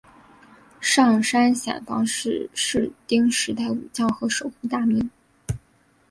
上杉显房是室町时代武将和守护大名。